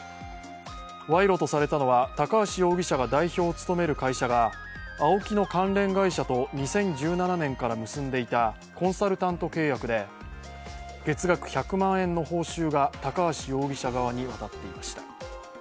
賄賂とされたのは高橋容疑者が代表を務める会社がＡＯＫＩの関連会社と２０１７年から結んでいたコンサルタント契約で月額１００万円の報酬が高橋容疑者側に渡っていました。